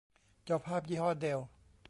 จอภาพยี่ห้อเดลล์